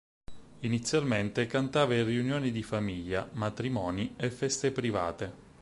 Inizialmente cantava in riunioni di famiglia, matrimoni e feste private.